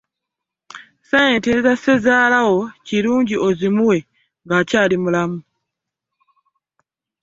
Ssente za ssezaala wo kirungi ozimuwe ng'akyali mulamu.